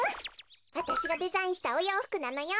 わたしがデザインしたおようふくなのよ。